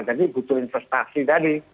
jadi butuh investasi tadi